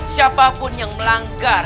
siapapun yang melanggar